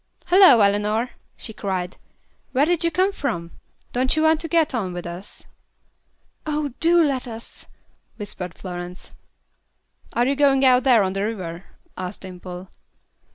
"Hallo, Eleanor," she cried. "Where did you come from? Don't you want to get on with us?" "Oh, do let us," whispered Florence. "Are you going out on the river?" asked Dimple.